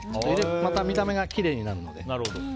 また見た目がきれいになるので。